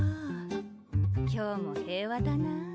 今日も平和だな。